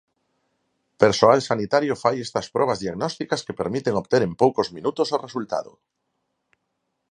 Persoal sanitario fai estas probas diagnósticas que permiten obter en poucos minutos o resultado.